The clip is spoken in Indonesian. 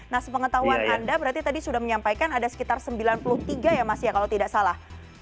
nah sepengetahuan anda berarti tadi sudah menyampaikan ada sekitar sembilan puluh tiga ya mas ya kalau tidak salah